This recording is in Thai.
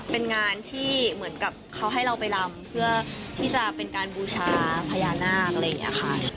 เป็นงานที่เหมือนกับเขาให้เราไปรำเพื่อที่จะเป็นการบูชาพญานาคอะไรอย่างนี้ค่ะ